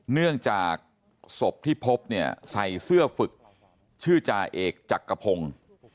เนื่องจากศพที่พบเนี่ยใส่เสื้อฝึกชื่อจ่าเอกจักรพงศ์